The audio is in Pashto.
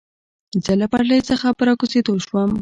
زه له پټلۍ څخه په را کوزېدو شوم.